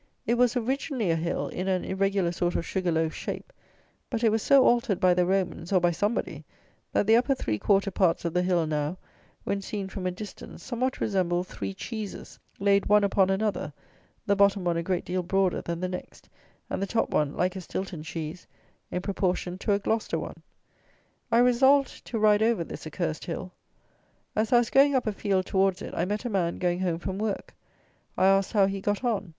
It was originally a hill in an irregular sort of sugar loaf shape: but it was so altered by the Romans, or by somebody, that the upper three quarter parts of the hill now, when seen from a distance, somewhat resemble three cheeses, laid one upon another; the bottom one a great deal broader than the next, and the top one like a Stilton cheese, in proportion to a Gloucester one. I resolved to ride over this Accursed Hill. As I was going up a field towards it, I met a man going home from work. I asked how he got on.